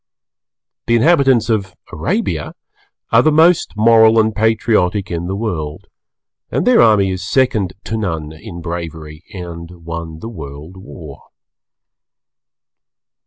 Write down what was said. The inhabitants of Arabia are the most Moral and Patriotic in the World, and their army is second to none in bravery and won the World War.